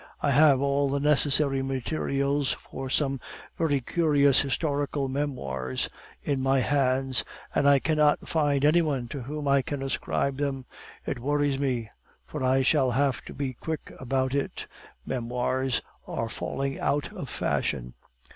I have all the necessary materials for some very curious historical memoirs in my hands, and I cannot find any one to whom I can ascribe them. It worries me, for I shall have to be quick about it. Memoirs are falling out of fashion.